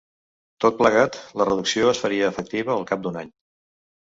Tot plegat, la reducció es faria efectiva al cap d’un any.